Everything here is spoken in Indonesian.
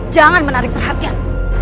jangan menarik perhatian